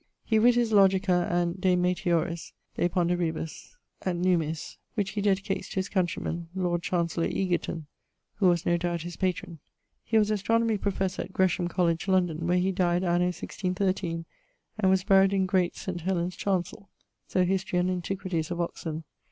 He writ his Logica, and ..., de meteoris, de ponderibus et nummis (which he dedicates to his countryman, Lord Chancellor Egerton, who was no doubt his patron). He was astronomie professor at Gresham College, London, where he died anno 1613, and was buried in Great Saint Helen's chancell: so _Hist. and Antiq. of Oxon.